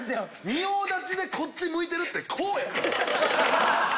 仁王立ちでこっち向いてるってこうや。